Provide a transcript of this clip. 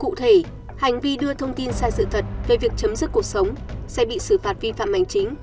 cụ thể hành vi đưa thông tin sai sự thật về việc chấm dứt cuộc sống sẽ bị xử phạt vi phạm hành chính